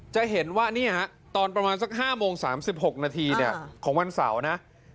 จะเห็นว่าตอนประมาณสัก๕โมง๓๖นาทีของวันเสาร์นะ